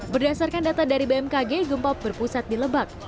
berdasarkan data dari bmkg gempa berpusat di lebak